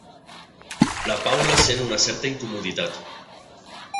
La Paula sent una certa incomoditat.